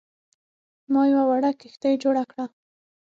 ما یوه وړه کښتۍ جوړه کړه.